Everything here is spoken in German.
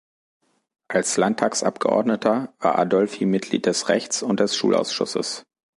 Als Landtagsabgeordneter war Adolphi Mitglied des Rechts- und des Schulausschusses.